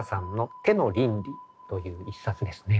という１冊ですね。